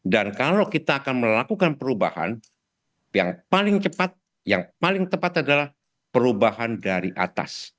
dan kalau kita akan melakukan perubahan yang paling tepat adalah perubahan dari atas